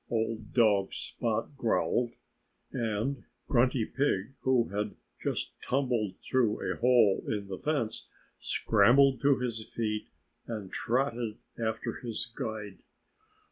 old dog Spot growled. And Grunty Pig, who had just tumbled through a hole in the fence, scrambled to his feet and trotted after his guide.